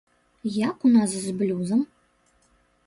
Як у нас з блюзам?